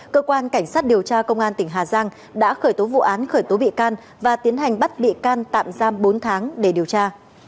cơ quan cảnh sát điều tra công an tỉnh hà giang đã khởi tố vụ án khởi tố bị can và tiến hành bắt bị can tạm giam bốn tháng để điều tra